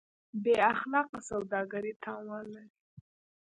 بېاخلاقه سوداګري تاوان لري.